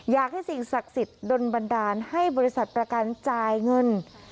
สิ่งศักดิ์สิทธิ์โดนบันดาลให้บริษัทประกันจ่ายเงิน